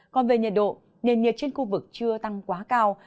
còn về nhiệt độ nền nhiệt trên khu vực chưa tăng quá cao